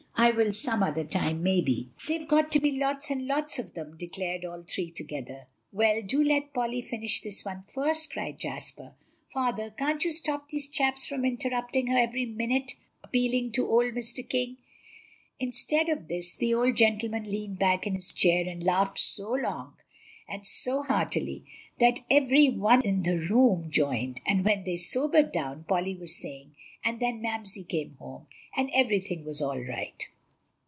"I will some other time, maybe." "They've got to be lots and lots of them," declared all three together. "Well, do let Polly finish this one first," cried Jasper. "Father, can't you stop these chaps from interrupting her every minute," appealing to old Mr. King. Instead of this, the old gentleman leaned back in his chair, and laughed so long and so heartily that every one in the room joined; and when they sobered down, Polly was saying, "And then Mamsie came home, and everything was all right."